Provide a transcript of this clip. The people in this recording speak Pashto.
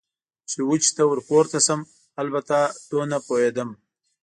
چې وچې ته ور پورته شم، البته دومره پوهېدم.